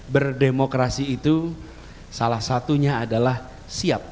berdemokrasi itu salah satunya adalah siap